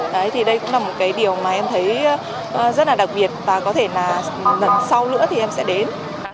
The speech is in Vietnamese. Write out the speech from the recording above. đấy thì đây cũng là một cái điều mà em thấy rất là đặc biệt và có thể là lần sau nữa thì em sẽ đến